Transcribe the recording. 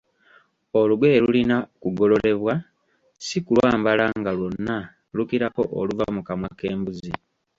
Olugoye lulina kugolorebwa si kulwambala nga lwonna lukirako oluva mu kamwa k'embuzi!